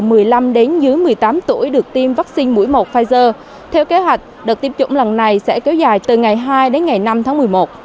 đội tiêm phép tính dưới một mươi tám tuổi được tiêm vắc xin mũi một pfizer theo kế hoạch đợt tiêm chủng lần này sẽ kéo dài từ ngày hai đến ngày năm tháng một mươi một